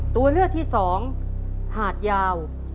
ตัวเลือกที่๒หาดยาว